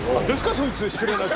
そいつ、失礼な。